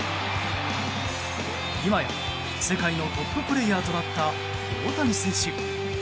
今や、世界のトッププレイヤーとなった大谷選手。